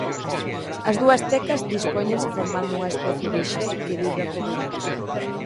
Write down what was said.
As dúas tecas dispóñense formando unha especie de X que vibra co vento.